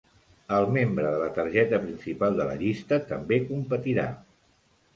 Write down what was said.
El membre de la targeta principal de la llista també competirà.